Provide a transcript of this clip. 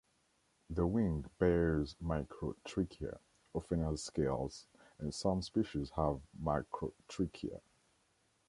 The wing bears microtrichia, often as scales, and some species have macrotrichia.